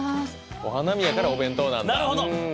お花見やからお弁当なんだなるほど！